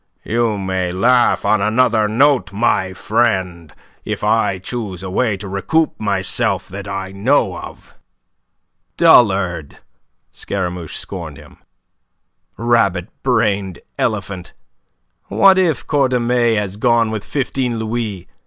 You may laugh on another note, my friend, if I choose a way to recoup myself that I know of." "Dullard!" Scaramouche scorned him. "Rabbit brained elephant! What if Cordemais has gone with fifteen louis?